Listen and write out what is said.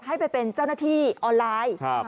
ให้ไปเป็นเจ้าหน้าที่ออนไลน์